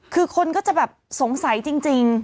คือคนก็จะแบบสงสัยจริง